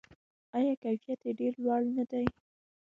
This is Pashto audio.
آیا کیفیت یې ډیر لوړ نه دی؟